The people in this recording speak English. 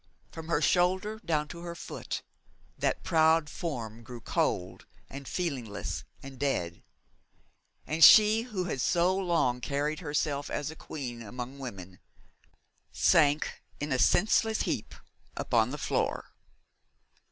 From her shoulder down to her foot, that proud form grew cold and feelingless and dead, and she, who had so long carried herself as a queen among women, sank in a senseless heap upon the floor.